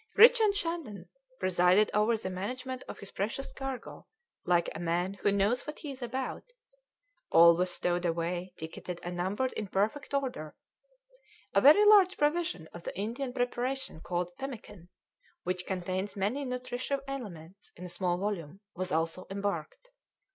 Richard Shandon presided over the management of this precious cargo like a man who knows what he is about; all was stowed away, ticketed, and numbered in perfect order; a very large provision of the Indian preparation called pemmican, which contains many nutritive elements in a small volume, was also embarked.